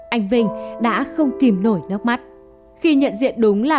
anh vinh đã không kìm nổi nữa